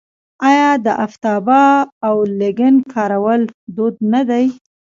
آیا د افتابه او لګن کارول دود نه دی؟